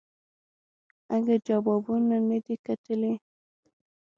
اگه جوابونه ندي کتلي.